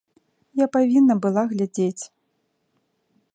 Я павінна была глядзець.